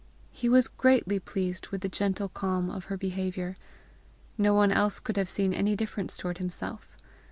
He was greatly pleased with the gentle calm of her behaviour. No one else could have seen any difference toward himself.